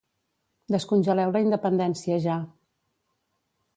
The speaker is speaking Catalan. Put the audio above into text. Descongeleu la independència ja